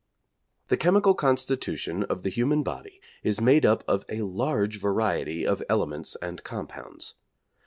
The chemical constitution of the human body is made up of a large variety of elements and compounds.